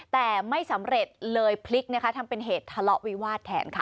แต่ไม่สำเร็จเลยพลิกนะคะทำเป็นเหตุทะเลาะวิวาสแทนค่ะ